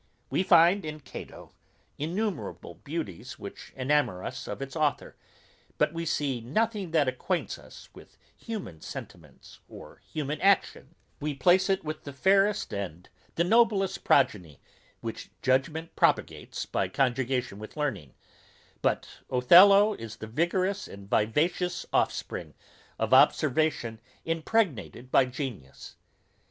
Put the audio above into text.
We find in Cato innumerable beauties which enamour us of its authour, but we see nothing that acquaints us with human sentiments or human actions; we place it with the fairest and the noblest progeny which judgment propagates by conjunction with learning, but Othello is the vigorous and vivacious offspring of observation impregnated by genius.